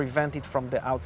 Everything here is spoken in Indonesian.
untuk mengelaknya dari awal